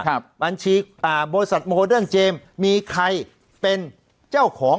ครับบัญชีอ่าบริษัทโมเดิร์นเจมส์มีใครเป็นเจ้าของ